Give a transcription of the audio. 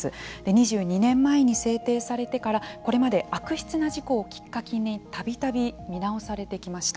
２２年前に制定されてからこれまで悪質な事故をきっかけに度々見直されてきました。